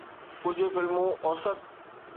ڪجھ فلمون اوسط